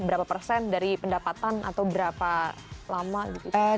berapa persen dari pendapatan atau berapa lama gitu